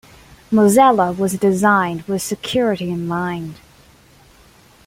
Mozilla was designed with security in mind.